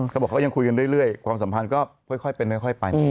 เขาบอกเขายังคุยกันเรื่อยความสัมพันธ์ก็ค่อยเป็นค่อยไป